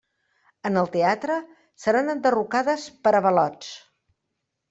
En el teatre, seran enderrocades per avalots.